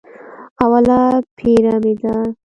اوله پېره مې ده.